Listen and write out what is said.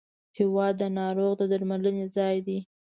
هېواد د ناروغ د درملنې ځای دی.